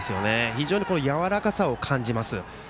非常にやわらかさを感じます。